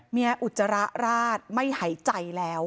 เมียอุจจาระราชไม่หายใจแล้ว